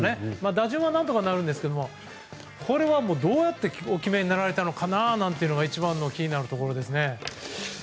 打順は何とかなりますけどどうやってお決めになったのかなというのが一番の気になるところですね。